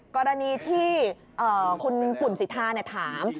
กรณีที่คุณปุ่นสิทธาถาม